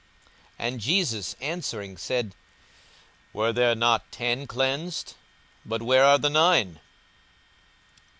42:017:017 And Jesus answering said, Were there not ten cleansed? but where are the nine?